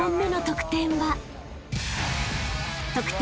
［得点は］